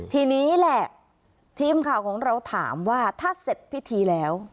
ทีนี้แหละทีมข่าวของเราถามว่าถ้าเสร็จพิธีแล้ว